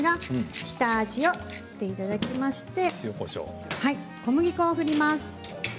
下味を振っていただきまして小麦粉を振ります。